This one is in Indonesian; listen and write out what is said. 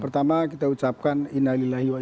pertama kita ucapkan innalillahi